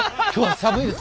寒いです。